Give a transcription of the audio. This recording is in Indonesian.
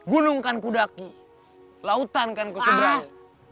gunung kan kudaki lautan kan kuseberang